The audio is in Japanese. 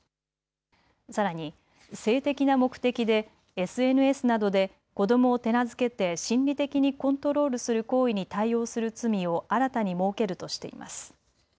さらに性的な目的でＳＮＳなどで子どもを手なずけて心理的にコントロールする行為に対応する罪を新たに設けるとしています。